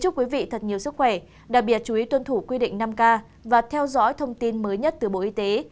chúc quý vị thật nhiều sức khỏe đặc biệt chú ý tuân thủ quy định năm k và theo dõi thông tin mới nhất từ bộ y tế